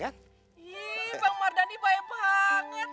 bang mardhani baik banget